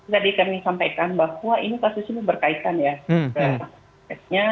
tadi kami sampaikan bahwa ini kasus ini berkaitan ya